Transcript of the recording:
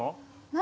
何？